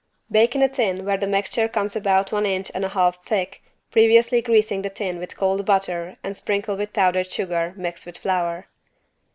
Bake in a tin where the mixture comes about one inch and a half thick, previously greasing the tin with cold butter and sprinkle with powdered sugar mixed with flour.